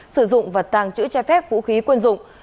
sử dụng và tàng trữ trái phép vũ khí quân dụng